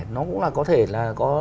nó cũng là có thể là